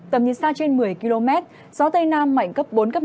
tầm nhìn xa trên một mươi km gió tây nam mạnh cấp bốn cấp năm